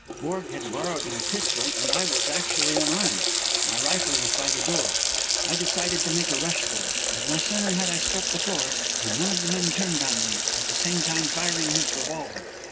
Borg had borrowed my pistol, and I was actually unarmed. My rifle was by the door. I decided to make a rush for it. But no sooner had I struck the floor than one of the men turned on me, at the same time firing his revolver.